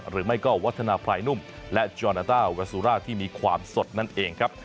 หรือไม่ก็วัฒนาพลายนุ่มและจอนาต้าแวซูร่าที่มีความสดนั่นเองครับ